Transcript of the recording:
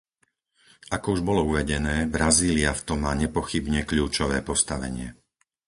Ako už bolo uvedené, Brazília v tom má nepochybne kľúčové postavenie.